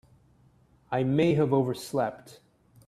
I may have overslept.